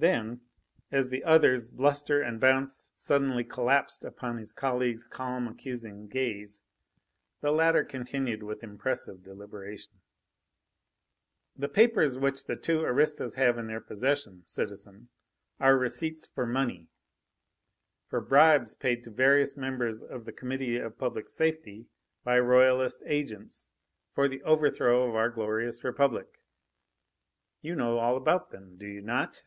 Then, as the other's bluster and bounce suddenly collapsed upon his colleague's calm, accusing gaze, the latter continued with impressive deliberation: "The papers which the two aristos have in their possession, citizen, are receipts for money, for bribes paid to various members of the Committee of Public Safety by Royalist agents for the overthrow of our glorious Republic. You know all about them, do you not?"